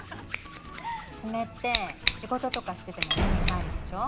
爪って仕事とかしてても目に入るでしょ。